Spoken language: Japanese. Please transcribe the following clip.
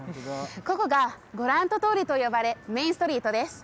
ここがグラント通りと呼ばれメインストリートです